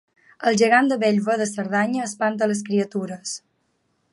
El gegant de Bellver de Cerdanya espanta les criatures